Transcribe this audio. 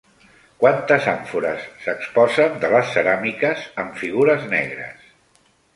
Quantes àmfores s'exposen de les ceràmiques amb figures negres?